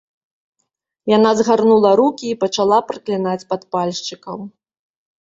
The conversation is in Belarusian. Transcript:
Яна згарнула рукі і пачала праклінаць падпальшчыкаў.